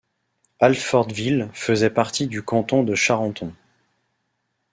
Alfortville faisait partie du Canton de Charenton.